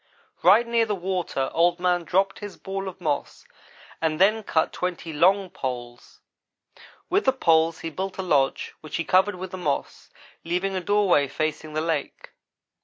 "Right near the water Old man dropped his ball of moss and then cut twenty long poles. With the poles he built a lodge which he covered with the moss, leaving a doorway facing the lake.